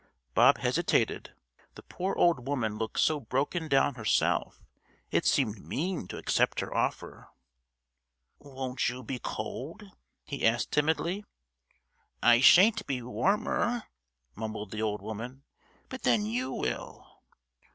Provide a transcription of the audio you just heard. Bob hesitated. The poor old woman looked so brokendown herself, it seemed mean to accept her offer. "Won't you be cold?" he asked timidly. "I shan't be warmer," mumbled the old woman. "But then you will."